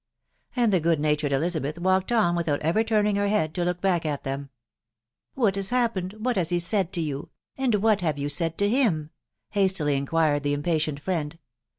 .... And the good natured Elisabeth walked « without ever turning her head to look back at than*. " What has happened ?.... what has he amid to ywtf .... and what have you said to him ?" hastily znjpzireitk impatient friend.